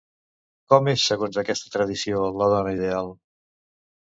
Com és, segons aquesta tradició, la dona ideal?